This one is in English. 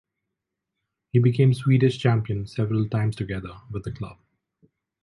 He became Swedish champion several times together with the club.